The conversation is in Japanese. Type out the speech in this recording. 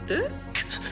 くっ！